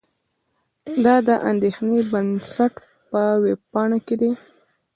دا د اندېښې بنسټ په وېبپاڼه کې دي.